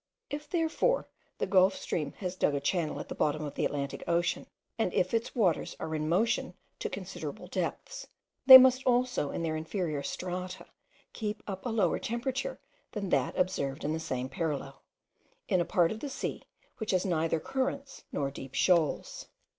If, therefore, the Gulf stream has dug a channel at the bottom of the Atlantic ocean, and if its waters are in motion to considerable depths, they must also in their inferior strata keep up a lower temperature than that observed in the same parallel, in a part of the sea which has neither currents nor deep shoals.